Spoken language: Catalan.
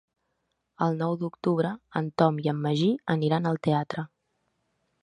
El nou d'octubre en Tom i en Magí aniran al teatre.